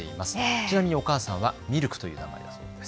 ちなみにお母さんはミルクというお名前です。